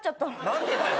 何でだよ。